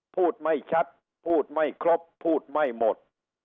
พูดไม่ชัดพูดไม่ครบพูดไม่หมด